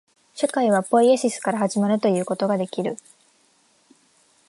社会はポイエシスから始まるということができる。